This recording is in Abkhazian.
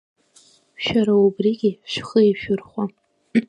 Шәара убригьы шәхы иашәырхәа.